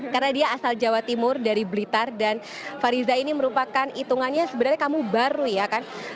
karena dia asal jawa timur dari blitar dan fariza ini merupakan itungannya sebenarnya kamu baru ya kan